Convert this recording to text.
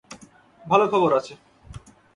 ভালো খবর আছে।